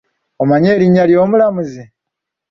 Omanyi erinnya ly'omulamuzi?